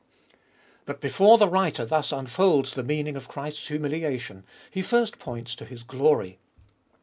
But before the writer thus unfolds the meaning of Christ's humiliation, he first points to His glory.